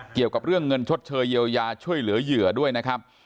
เกี่ยวกับเรื่องเงินชดเชยเยียวยาช่วยเหลือเหยื่อด้วยนะครับ